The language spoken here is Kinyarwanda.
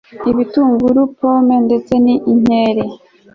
ibitunguru, pomme ndetse n'inkeri